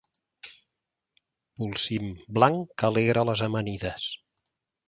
Polsim blanc que alegra les amanides.